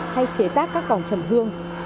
hay chế tác các vòng trầm hương